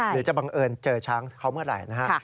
หรือจะบังเอิญเจอช้างเขาเมื่อไหร่นะฮะ